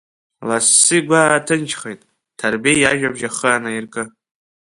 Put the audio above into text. Лассгьы игәы ааҭынчхеит, Ҭырбеи иажәабжь ахы анаиркы.